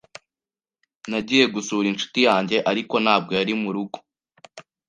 Nagiye gusura inshuti yanjye, ariko ntabwo yari murugo.